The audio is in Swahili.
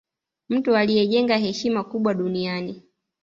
mtu aliye jenga heshima kubwa duniani